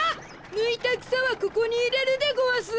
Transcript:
ぬいたくさはここにいれるでごわす。